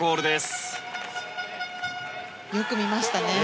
今の、よく見ましたね。